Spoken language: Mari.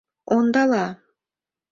— Ондала!